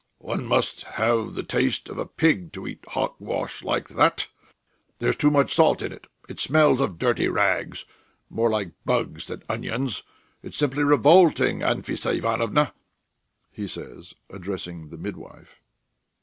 "One must have the taste of a pig to eat hogwash like that! There's too much salt in it; it smells of dirty rags ... more like bugs than onions.... It's simply revolting, Anfissa Ivanovna," he says, addressing the midwife.